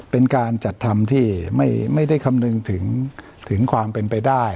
เป็นการจัดทำที่ไม่ได้คำนึงถึงความเป็นไปได้